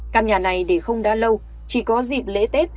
căn nhà này để không đã lâu chỉ có dịp lễ tết